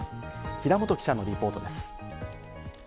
平本記者のリポートです。